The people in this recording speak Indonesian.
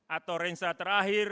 atau rensera terakhir